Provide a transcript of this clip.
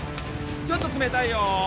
ちょっと冷たいよ